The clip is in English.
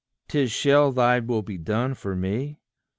'Tis shall thy will be done for me?